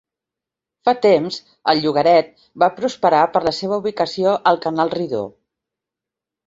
Fa temps, el llogaret va prosperar per la seva ubicació al Canal Rideau.